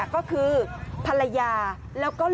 โรดเจ้าเจ้าเจ้าเจ้าเจ้าเจ้าเจ้า